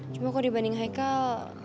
cuma kok dibanding haikal